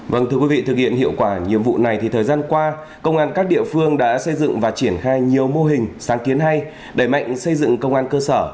vâng thưa quý vị thực hiện hiệu quả nhiệm vụ này thì thời gian qua công an các địa phương đã xây dựng và triển khai nhiều mô hình sáng kiến hay đẩy mạnh xây dựng công an cơ sở